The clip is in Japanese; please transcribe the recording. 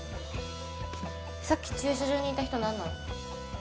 さっき駐車場にいた人何なの？